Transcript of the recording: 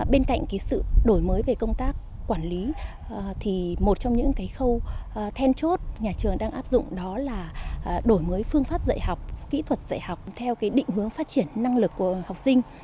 bên cạnh sự đổi mới về công tác quản lý thì một trong những khâu then chốt nhà trường đang áp dụng đó là đổi mới phương pháp dạy học kỹ thuật dạy học theo cái định hướng phát triển năng lực của học sinh